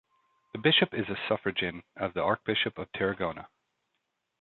The bishop is a suffragan of the Archbishop of Tarragona.